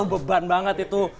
beban banget itu